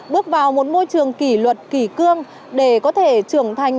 bước vào một môi trường kỷ luật kỷ cương để có thể trưởng thành